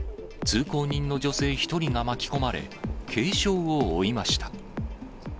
通行人の女性１人が巻き込まれ、軽傷を負いました。